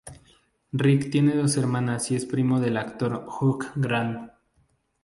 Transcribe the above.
Rick tiene dos hermanas y es primo del actor Hugh Grant.